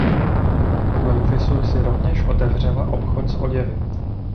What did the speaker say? V Memphisu si rovněž otevřela obchod s oděvy.